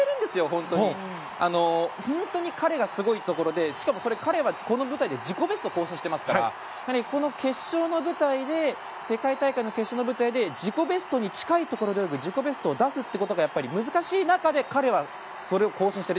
本当にそこは彼がすごいところでしかも、彼はこの舞台で自己ベストを更新していますから世界大会の決勝の舞台で自己ベストに近いところで泳ぐ自己ベストを出すってことが難しい中で彼はそれを更新した。